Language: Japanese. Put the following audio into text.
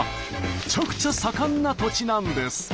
めちゃくちゃ盛んな土地なんです。